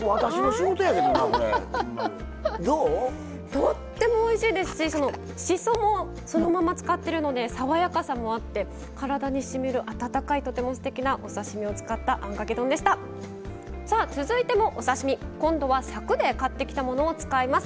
とってもおいしいですししそもそのまま使ってるので爽やかさもあって体にしみる温かいとてもすてきなお刺身を使ったあんかけ丼でした！さあ続いてもお刺身。今度はさくで買ってきたものを使います。